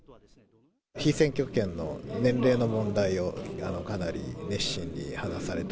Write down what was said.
被選挙権の年齢の問題をかなり熱心に話された。